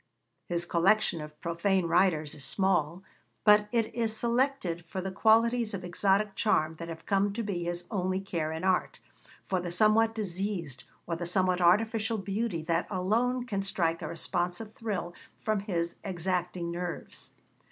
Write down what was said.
His collection of 'profane' writers is small, but it is selected for the qualities of exotic charm that have come to be his only care in art for the somewhat diseased, or the somewhat artificial beauty that alone can strike a responsive thrill from his exacting nerves.